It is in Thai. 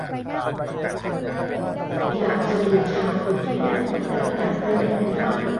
อยากจะเดินทางเต็มที่แล้ว แต่ยังไปไหนไม่ได้